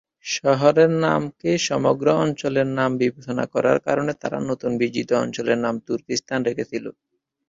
শহরের নামকে সমগ্র অঞ্চলের নাম বিবেচনা করার কারণে তারা নতুন বিজিত অঞ্চলের নাম তুর্কিস্তান রেখেছিল।